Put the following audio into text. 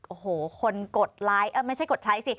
โอ้โหคนกดไลค์ไม่ใช่กดใช้สิ